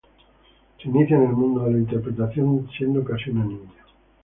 Se inicia en el mundo de la interpretación siendo casi una niña.